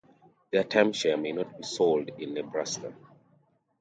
Their timeshare may not be sold in Nebraska.